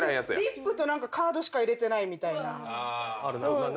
リップとカードしか入れてないみたいな。